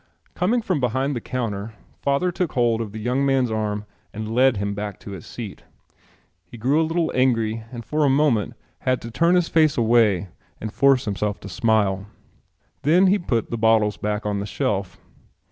Coming from behind the counter father took hold of the young man's arm and led him back to his seat. He grew a little angry and for a moment had to turn his face away and force himself to smile. Then he put the bottles back on the shelf.